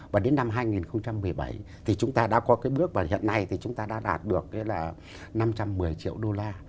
và đến năm hai nghìn một mươi bảy thì chúng ta đã có cái bước và hiện nay thì chúng ta đã đạt được là năm trăm một mươi triệu đô la